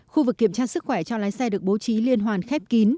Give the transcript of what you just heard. khu vực kiểm tra sức khỏe cho lái xe được bố trí liên hoàn khép kín